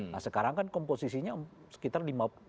nah sekarang kan komposisinya sekitar empat puluh lima lima puluh lima